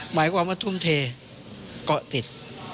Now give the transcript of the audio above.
หมายความว่าทุ่มเทเกาะติด